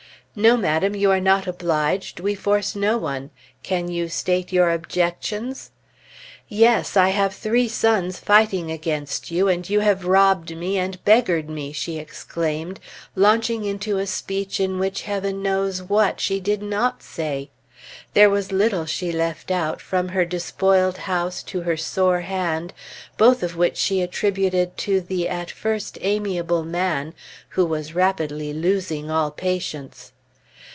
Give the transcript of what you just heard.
"No, madam, you are not obliged; we force no one. Can you state your objections?" "Yes, I have three sons fighting against you, and you have robbed me, beggared me!" she exclaimed, launching into a speech in which Heaven knows what she did not say; there was little she left out, from her despoiled house to her sore hand, both of which she attributed to the at first amiable man, who was rapidly losing all patience.